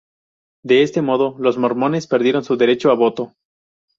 De este modo, los mormones perdieron su derecho a voto.